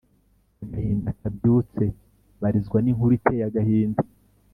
agahinda kabyutse barizwa n’inkuru iteye agahinda,